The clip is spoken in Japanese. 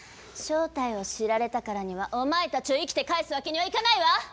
正体を知られたからにはお前たちを生きて返すわけにはいかないわ！